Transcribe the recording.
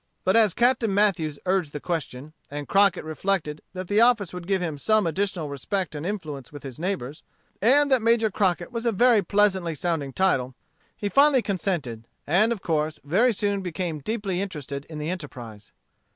But as Captain Mathews urged the question, and Crockett reflected that the office would give him some additional respect and influence with his neighbors, and that Major Crockett was a very pleasantly sounding title, he finally consented, and, of course, very soon became deeply interested in the enterprise.